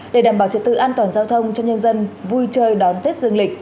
để đảm bảo trật tự an toàn giao thông cho nhân dân vui chơi đón tết dương lịch